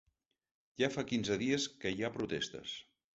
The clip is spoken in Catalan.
Ja fa quinze dies que hi ha protestes.